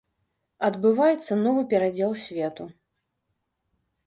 Адбываецца новы перадзел свету.